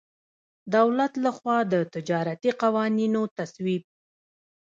دولت له خوا د تجارتي قوانینو تصویب.